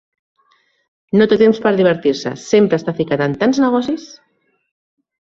No té temps per a divertir-se: sempre està ficat en tants negocis!